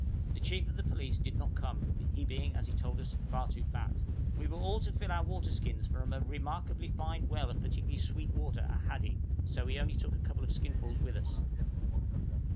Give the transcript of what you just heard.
The chief of the police did not come, he being, as he told us, far too fat. We were to fill all our waterskins from a remarkably fine well of particularly sweet water at Hadi, so we took only a couple of skinfuls with us.